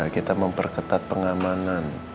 kita memperketat pengamanan